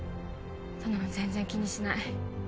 そんなの全然気にしない